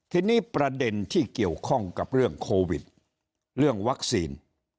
ทีนี้ประเด็นที่เกี่ยวข้องกับเรื่องโควิดเรื่องวัคซีน